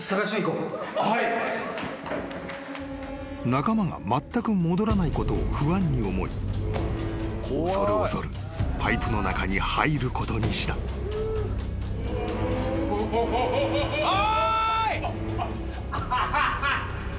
［仲間がまったく戻らないことを不安に思い恐る恐るパイプの中に入ることにした］・・・うわ。